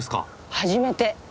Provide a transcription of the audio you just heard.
初めて。